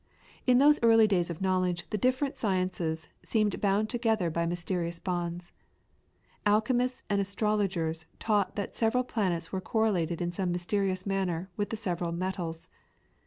In those early days of knowledge the different sciences seemed bound together by mysterious bonds. Alchemists and astrologers taught that the several planets were correlated in some mysterious manner with the several metals.